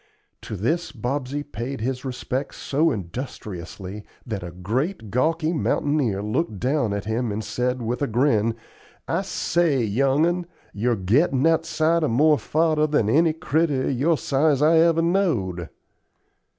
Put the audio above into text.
To this Bobsey paid his respects so industriously that a great, gawky mountaineer looked down at him and said, with a grin, "I say, young 'un, you're gettin' outside of more fodder than any critter of your size I ever knowed."